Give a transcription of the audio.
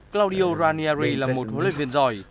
claudio ranieri là một hỗ lực viên giỏi